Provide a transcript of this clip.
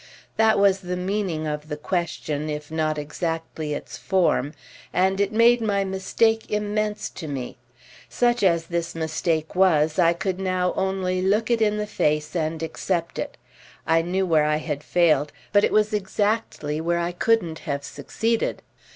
That was the meaning of the question, if not exactly its form, and it made my mistake immense to me. Such as this mistake was I could now only look it in the face and accept it. I knew where I had failed, but it was exactly where I couldn't have succeeded.